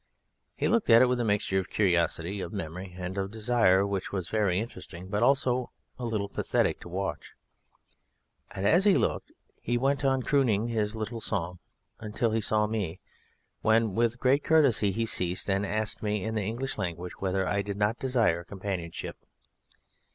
He looked at it with a mixture of curiosity, of memory, and of desire which was very interesting but also a little pathetic to watch. And as he looked at it he went on crooning his little song until he saw me, when with great courtesy he ceased and asked me in the English language whether I did not desire companionship.